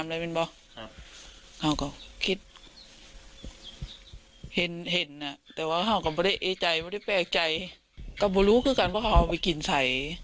มากครูอภัยค่ะ